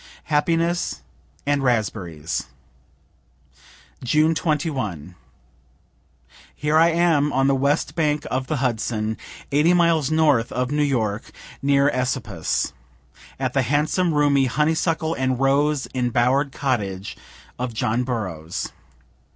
HAPPINESS AND RASPBERRIES June 21. Here I am, on the west bank of the Hudson, 80 miles north of New York, near Esopus, at the handsome, roomy, honeysuckle and rose enbower'd cottage of John Burroughs.